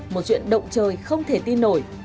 một chuyện động trời không thể tin nổi